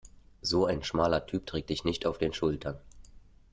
So ein schmaler Typ trägt dich nicht auf den Schultern.